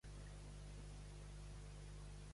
Per què no es pot quedar Catalunya a l'estat espanyol?